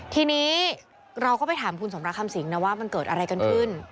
ทีนี้เราก็ไปถามคุณสมรักคำสิงนะว่ามันเกิดอะไรกันขึ้น